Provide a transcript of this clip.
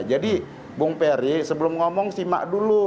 jadi bung perry sebelum ngomong simak dulu